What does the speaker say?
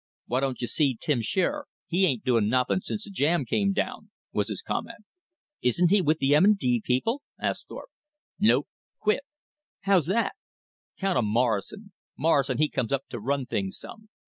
"Why don't you see Tim Shearer? He ain't doin' nothin' since the jam came down," was his comment. "Isn't he with the M. & D. people?" asked Thorpe. "Nope. Quit." "How's that?" "'Count of Morrison. Morrison he comes up to run things some.